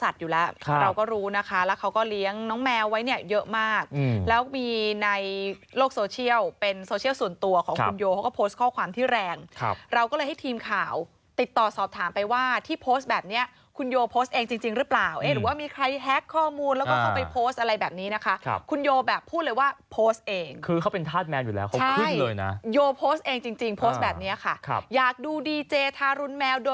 ที่แรงครับเราก็เลยให้ทีมข่าวติดต่อสอบถามไปว่าที่โพสต์แบบเนี้ยคุณโยโพสต์เองจริงจริงหรือเปล่าเอ๊ะหรือว่ามีใครแฮกข้อมูลแล้วก็เขาไปโพสต์อะไรแบบนี้นะคะครับคุณโยแบบพูดเลยว่าโพสต์เองคือเขาเป็นทาสแมนอยู่แล้วครบครึ่งเลยน่ะโยโพสต์เองจริงจริงโพสต์แบบเนี้ยค่ะครับอยากดูดีเจทารุน